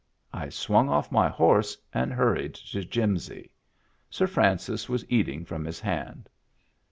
I swung off my horse and hurried to Jimsy. Sir Francis was eating from his hand.